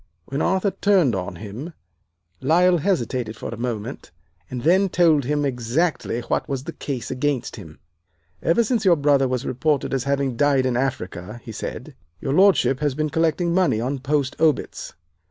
"When Arthur turned on him Lyle hesitated for a moment, and then told him exactly what was the case against him. "'Ever since your brother was reported as having died in Africa,' he said, 'your Lordship has been collecting money on post obits.